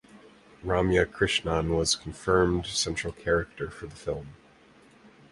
Ramya Krishnan was confirmed central character for the film.